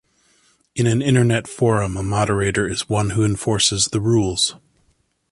In an internet forum a moderator is one who enforces the rules.